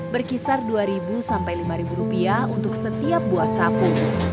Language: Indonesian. dari tujuh sampai lima rupiah untuk setiap buah sapu